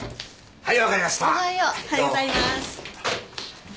はい。